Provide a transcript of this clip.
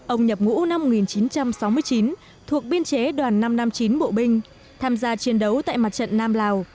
ông nhập ngũ năm một nghìn chín trăm sáu mươi chín thuộc biên chế đoàn năm trăm năm mươi chín bộ binh tham gia chiến đấu tại mặt trận nam lào